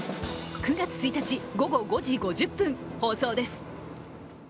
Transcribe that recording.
９月１日午後５時５０分、放送です。